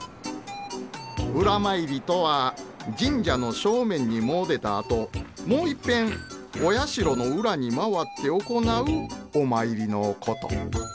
裏詣りとは神社の正面に詣でたあともういっぺんお社の裏に回って行うお参りのこと。